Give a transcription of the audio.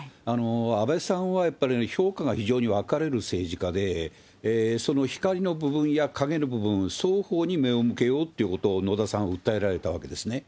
安倍さんはやっぱり、評価が非常に分かれる政治家で、その光の部分や影の部分、双方に目を向けようということを野田さんは訴えられたわけですね。